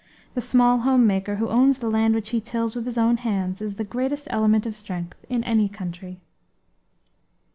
The small homemaker, who owns the land which he tills with his own hands, is the greatest element of strength in any country.